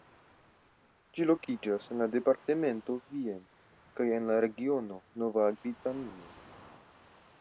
Ĝi lokiĝas en la departemento Vienne kaj en la regiono Nova Akvitanio.